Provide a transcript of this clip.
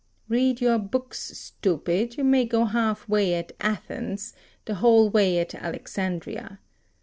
Read your books, stupid: you may go half way at Athens, the whole way at Alexandria.